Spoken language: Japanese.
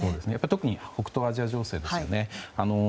特に北東アジア情勢ですよね。